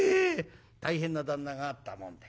大変な旦那があったもんで。